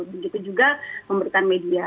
begitu juga pemberitaan media